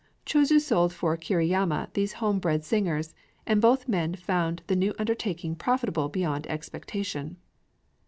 Chūzō sold for Kiriyama these home bred singers; and both men found the new undertaking profitable beyond expectation.